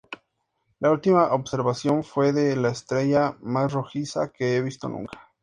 La última observación fue de la estrella más rojiza que he visto nunca.